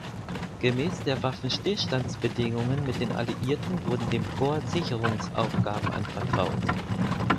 Gemäß der Waffenstillstandsbedingungen mit den Alliierten wurden dem Korps Sicherungsaufgaben anvertraut.